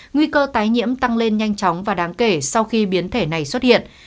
nguy cơ tái nhiễm tăng lên nhanh chóng và đáng kể sau khi biến thể này xuất hiện